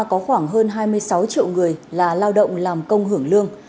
quý vị và các bạn hiện nay ở nước ta có khoảng hơn hai mươi sáu triệu người là lao động làm công hưởng lương